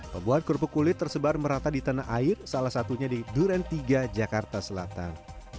pembuat kerupuk kulit tersebar merata di tanah air salah satunya di duren tiga jakarta selatan